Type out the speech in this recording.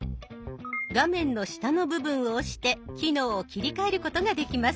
画面の下の部分を押して機能を切り替えることができます。